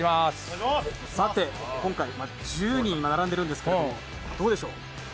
今回１０人並んでるんですけどどうでしょう？